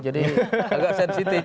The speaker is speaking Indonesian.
jadi agak sensitif